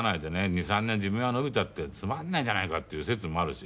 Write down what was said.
２３年寿命が延びたってつまらないじゃないかっていう説もあるし。